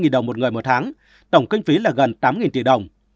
bảy trăm năm mươi đồng một người một tháng tổng kinh phí là gần tám tỷ đồng